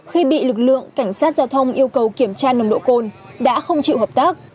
khi bị lực lượng cảnh sát giao thông yêu cầu kiểm tra nồng độ cồn đã không chịu hợp tác